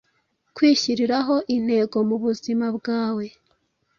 Kwihyiriraho intego mubuzima bwawe